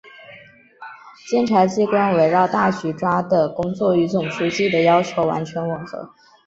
检察机关围绕大局抓的工作与总书记的要求完全吻合